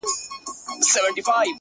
o اوس له خپل ځان څخه پردى يمه زه ـ